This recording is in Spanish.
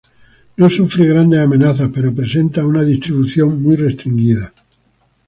No sufre grandes amenazas, pero presenta una distribución muy restringida.